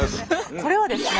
これはですね